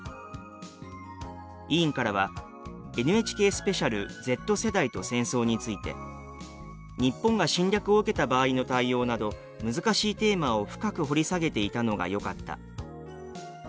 委員からは「ＮＨＫスペシャルＺ世代と“戦争”」について「日本が侵略を受けた場合の対応など難しいテーマを深く掘り下げていたのがよかった」。